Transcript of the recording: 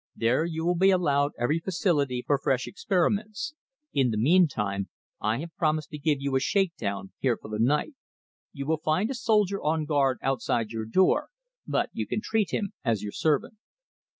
"There you will be allowed every facility for fresh experiments. In the meantime, I have promised to give you a shakedown here for the night. You will find a soldier on guard outside your door, but you can treat him as your servant."